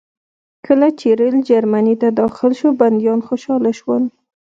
کله چې ریل جرمني ته داخل شو بندیان خوشحاله شول